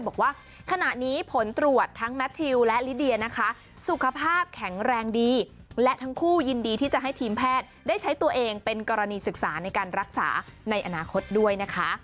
บอกว่าขณะนี้ผลตรวจทั้งแมททิวและลิเดียนะคะสุขภาพแข็งแรงดีและทั้งคู่ยินดีที่จะให้ทีมแพทย์ได้ใช้ตัวเองเป็นกรณีศึกษาในการรักษาในอนาคตด้วยนะคะ